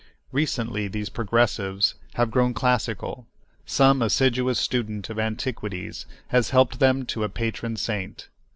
Recently these progressives have grown classical; some assiduous student of antiquities has helped them to a patron saint.